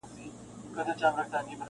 په زېور د علم و پوهي یې سینګار کړﺉ.